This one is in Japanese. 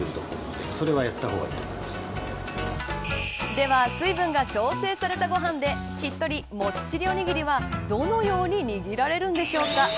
では、水分が調整されたご飯でしっとり、もっちりおにぎりはどのように握られるのでしょうか。